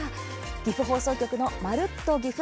岐阜放送局の「まるっと！ぎふ」